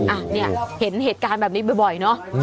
อ่ะเนี่ยเห็นเหตุการณ์แบบนี้บ่อยเนอะ